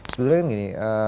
sebenarnya kan gini